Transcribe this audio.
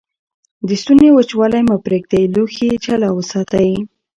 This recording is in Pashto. د ستوني وچوالی مه پرېږدئ. لوښي جلا وساتئ.